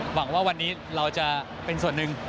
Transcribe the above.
หวังว่าวันนี้เราจะเป็นส่วนหนึ่ง